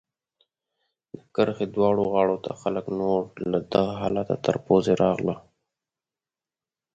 د کرښې دواړو غاړو ته خلک نور له دغه حالته تر پوزې راغله.